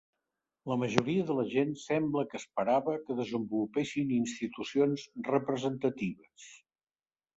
La majoria de la gent sembla que esperava que desenvolupessin institucions representatives.